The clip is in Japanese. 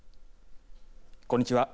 こんにちは。